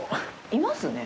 いますね。